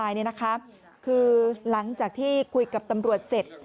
ตายเนี่ยนะคะคือหลังจากที่คุยกับตำรวจเสร็จ